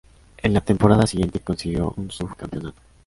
En la temporada siguiente consiguió un subcampeonato.